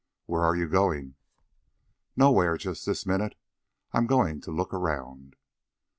"Where are you going?" "Nowhere, just this minute. I'm going to look around."